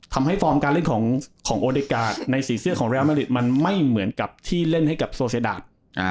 ฟอร์มการเล่นของโอเดกาในสีเสื้อของเรียลมาริดมันไม่เหมือนกับที่เล่นให้กับโซเซดา